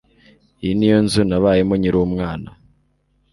Iyi ni yo nzu nabayemo nkiri umwana.